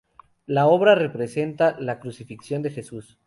La obra representa la crucifixión de Jesús.